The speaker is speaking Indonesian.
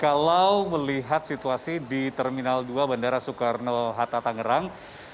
kalau melihat situasi di terminal dua bandara soekarno hatta tangerang